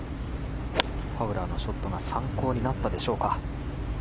ファウラーのショットが参考になったでしょうか。